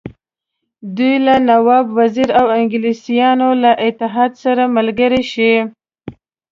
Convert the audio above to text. دوی له نواب وزیر او انګلیسیانو له اتحاد سره ملګري شي.